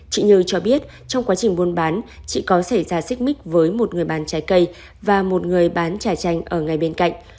chị như cho biết trong quá trình buôn bán chị có xảy ra xích mít với một người bán trái cây và một người bán trà tranh ở ngay bên cạnh